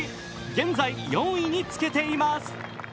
現在、４位につけています。